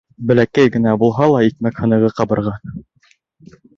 Бәләкәй генә булһа ла икмәк һынығы ҡабырға!